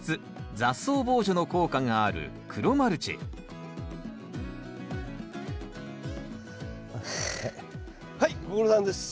雑草防除の効果がある黒マルチはいご苦労さんです。